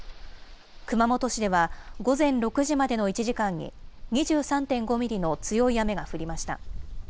熊本市では、午前６時までの１時間に２３．５ミリの強い雨が降りました。